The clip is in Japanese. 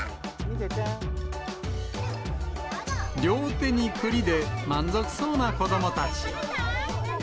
両手にくりで、満足そうな子どもたち。